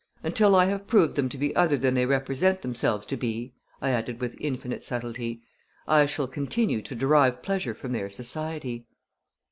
Until I have proved them to be other than they represent themselves to be," I added with infinite subtlety, "I shall continue to derive pleasure from their society."